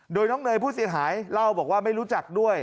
โดยน้องเนยผู้เสียหายเล่าบอกว่าไม่รู้จักด้วย